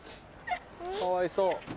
かわいそう。